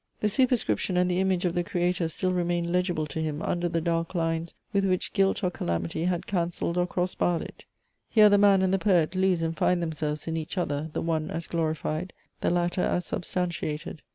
The superscription and the image of the Creator still remain legible to him under the dark lines, with which guilt or calamity had cancelled or cross barred it. Here the Man and the Poet lose and find themselves in each other, the one as glorified, the latter as substantiated.